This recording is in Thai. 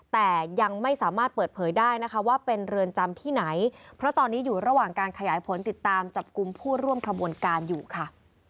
แต่ยังไม่สามารถเปิดเผยได้นะคะว่าเป็นเรือนจำที่ไหนเพราะตอนนี้อยู่ระหว่างการขยายผลติดตามจับกลุ่มผู้ร่วมขบวนการอยู่ค่ะ